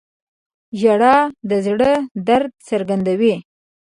• ژړا د زړه درد څرګندوي.